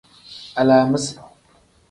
Alaamisi.